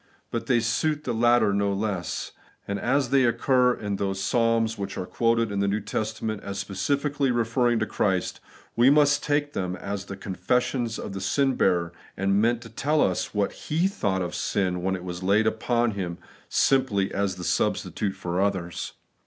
But they suit the latter no less ; and as they occur in those Psalms which are quoted in the New Testament as specially referring to Christ, we must take them as the con fessions of the sin bearer, and meant to tell us what He thought of sin when it was laid upon Him simply as a substitute for others.